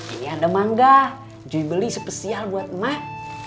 ini ada mangga cuy beli spesial buat emak